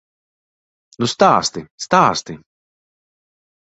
Nu stāsti, stāsti!